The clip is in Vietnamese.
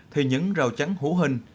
thì những rào trắng hú hình